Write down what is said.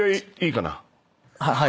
はい。